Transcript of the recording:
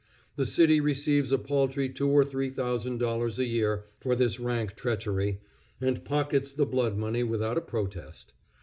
The city receives a paltry two or three thousand dollars a year for this rank treachery, and pockets the blood money without a protest.